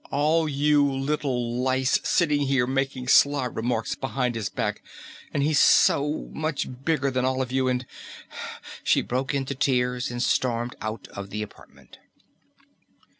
All you little lice sitting here making sly remarks behind his back, and he's so, much bigger than all of you and " She broke into tears and stormed out of the apartment.